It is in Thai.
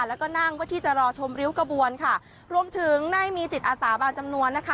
แล้วก็นั่งเพื่อที่จะรอชมริ้วกระบวนค่ะรวมถึงได้มีจิตอาสาบางจำนวนนะคะ